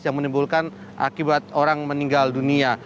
yang menimbulkan akibat orang meninggal dunia